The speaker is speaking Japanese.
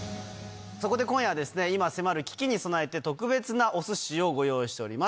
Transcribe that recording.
そこで今夜は、今迫る危機に備えて、特別なおすしをご用意しております。